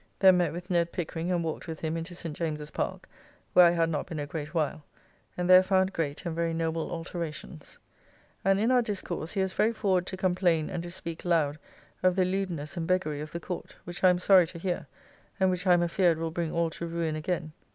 Then met with Ned Pickering, and walked with him into St. James's Park (where I had not been a great while), and there found great and very noble alterations. And, in our discourse, he was very forward to complain and to speak loud of the lewdness and beggary of the Court, which I am sorry to hear, and which I am afeard will bring all to ruin again.